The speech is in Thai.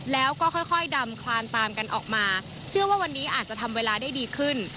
แล้วก็ค่อยดำคลานตามกันออกมาเชื่อว่าวันนี้อาจจะทำเวลาได้ดีขึ้น